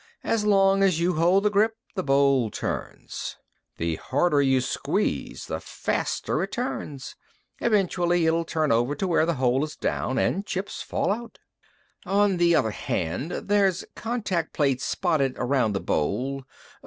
As long as you hold the grip, the bowl turns. The harder you squeeze, the faster it turns. Eventually it'll turn over to where the hole is down, and chips fall out. "On the other hand, there's contact plates spotted around the bowl.